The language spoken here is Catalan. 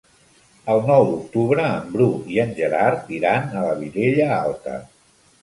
El nou d'octubre en Bru i en Gerard iran a la Vilella Alta.